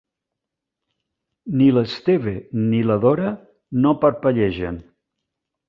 Ni l'Esteve ni la Dora no parpellegen.